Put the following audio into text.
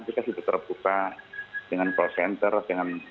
kita sudah terbuka dengan call center dengan kita